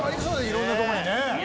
色んなとこにね。